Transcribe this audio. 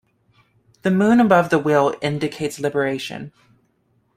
The moon above the wheel indicates liberation.